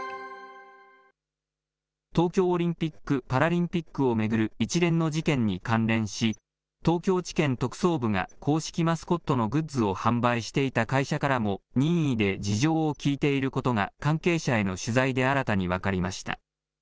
東京オリンピック・パラリンピックを巡る一連の事件に関連し、東京地検特捜部が、公式マスコットのグッズを販売していた会社からも任意で事情を聴いていることが、関係者への取材で新たに分かりました。